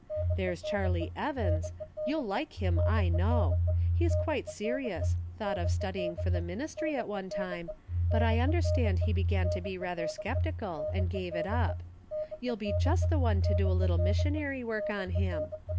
There's Charlie Evans, you'll like him I know. He's quite serious — ^thought of studying for the ministry at one time, but I understand he began to be rather skeptical and gave it up. You'll be just the one to do a little missionary work on him.